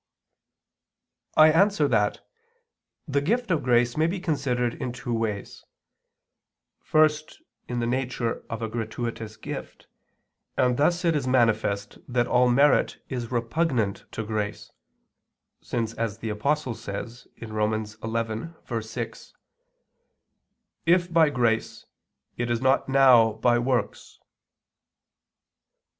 I answer that, The gift of grace may be considered in two ways: first in the nature of a gratuitous gift, and thus it is manifest that all merit is repugnant to grace, since as the Apostle says (Rom. 11:6), "if by grace, it is not now by works."